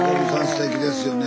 すてきですよね。